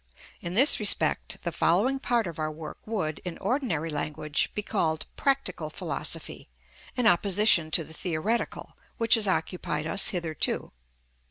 In this respect the following part of our work would, in ordinary language, be called practical philosophy, in opposition to the theoretical, which has occupied us hitherto.